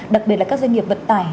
đặc biệt là các doanh nghiệp vận tải